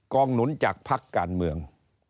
งหนุนจากพักการเมือง